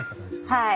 はい。